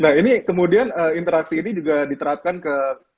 nah ini kemudian interaksi ini juga diterapkan ke